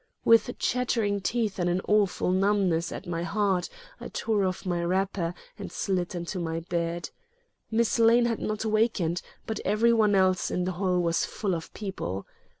With chattering teeth and an awful numbness at my heart, I tore off my wrapper and slid into bed. Miss Lane had not wakened, but every one else had and the hall was full of people.